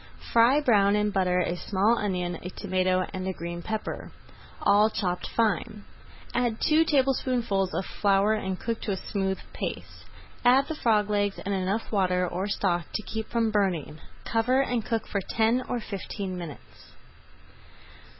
Fry brown in butter a small onion, a tomato, and a green pepper, all chopped fine. Add two tablespoonfuls of flour and cook to a smooth paste. Add the frog legs and enough water or stock to keep from burning. Cover and cook for ten or fifteen minutes.